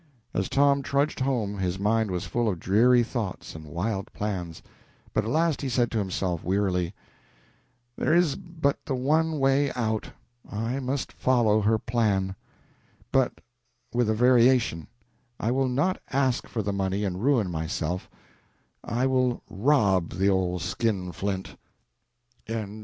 As Tom trudged home his mind was full of dreary thoughts and wild plans; but at last he said to himself, wearily "There is but the one way out. I must follow her plan. But with a variation I will not ask for the money and ruin myself; I will rob the old skinflint." CHAPTER XIX. The Prophecy Realized.